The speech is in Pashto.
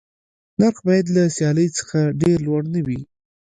نرخ باید له سیالۍ څخه ډېر لوړ نه وي.